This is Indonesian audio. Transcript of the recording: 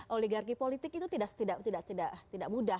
oligarki politik itu tidak mudah